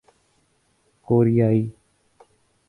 کوریائی